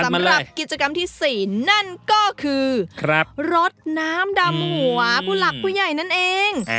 สำหรับกิจกรรมที่๔นั่นก็คือรถน้ำดำหัวผู้หลักผู้ใหญ่นั่นเอง